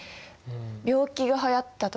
病気がはやったとか。